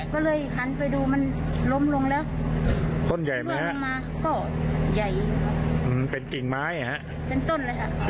มันบอกว่าเสร็จแล้วก็ย่ายขึ้นไปเอาโทรศัพท์